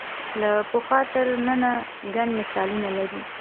له پخوا تر ننه ګڼ مثالونه لرو